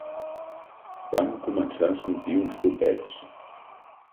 Van començar a sentir uns copets.